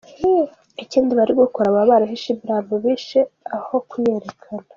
Ikindi bari gukora, baba barahishe imirambo bishe aho kuyerekana.